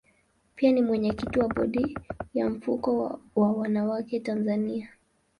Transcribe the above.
Pia ni mwenyekiti wa bodi ya mfuko wa wanawake Tanzania.